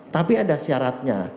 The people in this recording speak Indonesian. tapi ada syaratnya